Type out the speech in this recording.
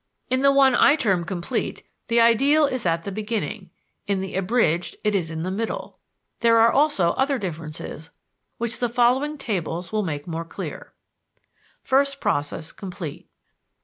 In the one I term "complete" the ideal is at the beginning: in the "abridged" it is in the middle. There are also other differences which the following tables will make more clear: First Process (complete).